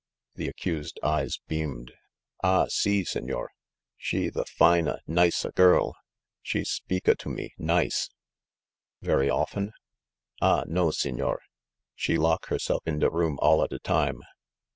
The accused's eyes beamed. "Ah, si, signor! She the fine a, nice a girl. She speak a to me, nice !" "Very of ten?" "Ah, no, signor ! She lock herself in da room all a da time.